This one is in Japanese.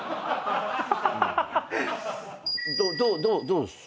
どうです？